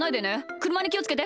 くるまにきをつけて。